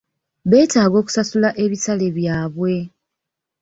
Beetaaga okusasula ebisale byabwe .